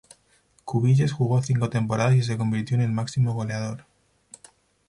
Cubillas jugó cinco temporadas y se convirtió en el máximo goleador.